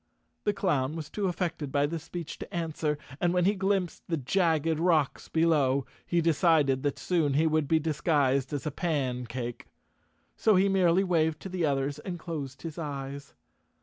The clown was too affected by this speech to answer and, when he glimpsed the jagged rocks below, he decided that soon he would be disguised as a pan cake. So he merely waved to the others and closed his eyes.